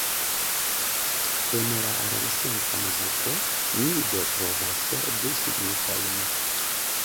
En la renesanca muziko ni do trovas du signifojn.